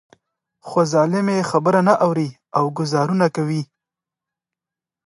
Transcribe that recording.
خو ظالم يې خبره نه اوري او ګوزارونه کوي.